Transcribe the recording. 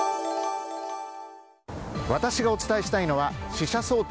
私がお伝えしたいのは死者想定